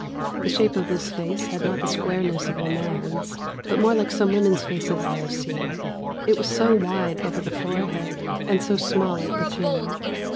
The shape of his face had not the squareness of a man's, but more like some women's faces I have seen it was so wide over the forehead, and so small at the chin.